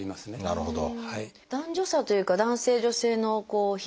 なるほど。